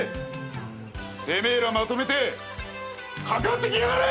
てめえらまとめてかかってきやがれ！